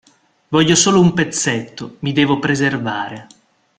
Voglio solo un pezzetto, mi devo preservare.